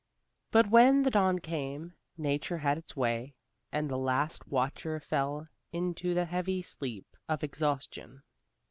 But when the dawn came, nature had its way, and the last watcher fell into the heavy sleep of exhaustion.